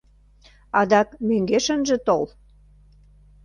Адак мӧҥгеш ынже тол.